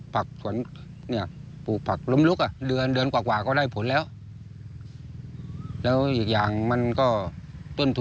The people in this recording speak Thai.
แบ่งกันแล้วก็ได้๖๕๐บาท